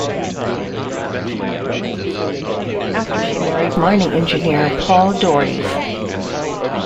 She left the Merseyside area after she married mining engineer Paul Dorries.